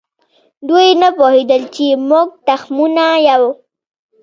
دوی نه پوهېدل چې موږ تخمونه یو.